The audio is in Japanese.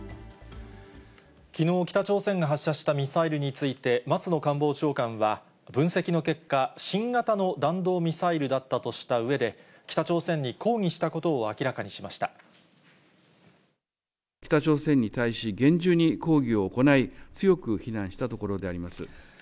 きのう、北朝鮮が発射したミサイルについて、松野官房長官は、分析の結果、新型の弾道ミサイルだったとしたうえで、北朝鮮に抗議したことを北朝鮮に対し、厳重に抗議を行い、強く非難したところであります。